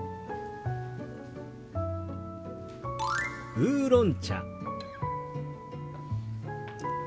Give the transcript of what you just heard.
「ウーロン茶」。